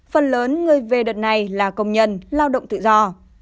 phần lớn người về đợt này là công nhân lao động tự do